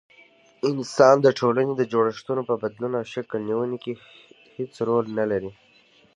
انسان د ټولني د جوړښتونو په بدلون او شکل نيوني کي هيڅ رول نلري